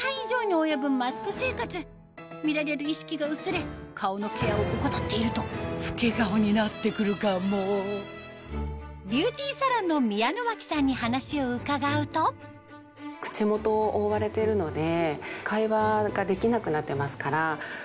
見られる意識が薄れ顔のケアを怠っていると老け顔になって来るかもビューティーサロンの宮ノ脇さんに話を伺うと口元を覆われてるので。